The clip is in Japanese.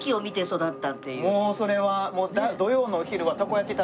もうそれは。